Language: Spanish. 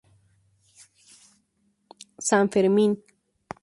San Fermín.